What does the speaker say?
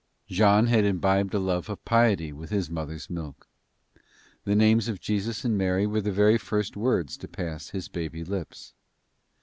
Jean had inbibed a love of piety with his mother's milk. The names of Jesus and Mary were the very first words to pass his baby lips.